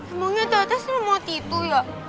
emangnya tata selamat itu ya